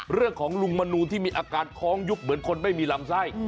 เรื่องของลุงมนูนที่มีอาการคล้องยุบเหมือนคนไม่มีลำไส้